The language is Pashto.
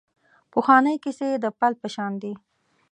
پخوانۍ کیسې د پل په شان دي .